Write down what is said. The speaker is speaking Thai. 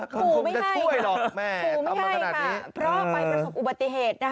คุณคุณจะช่วยหรอกคุณไม่ให้ค่ะเพราะไปประสบอุบัติเหตุ